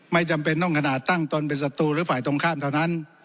ไม่จำเป็นต้องขนาดตั้งตนเป็นศัตรูหรือฝ่ายตรงข้ามเท่านั้น